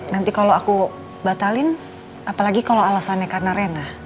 nanti kalau aku batalin apalagi kalau alasannya karena renah